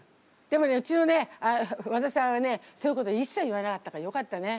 でもねうちのね和田さんはねそういうこといっさい言わなかったからよかったね。